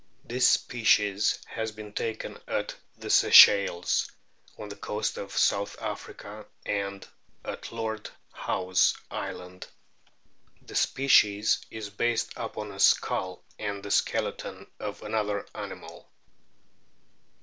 This species has been taken at the Seychelles, on the coast of South Africa, and at Lord Howe's Island. The species is based upon a skull and the skeleton of another animal.